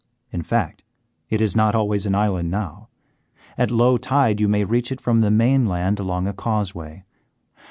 In fact, it is not always an island now. At low tide you may reach it from the mainland along a causeway.